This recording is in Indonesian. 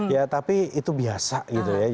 ya tapi itu biasa gitu ya